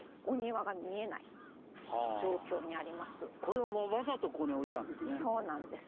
まあ今これもわざとここに置いたんですね。